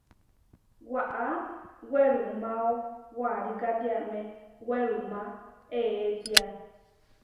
Waʼá werumáo warikátiame werumá eʼétia.